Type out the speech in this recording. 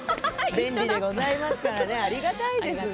便利でございますからありがたいですね。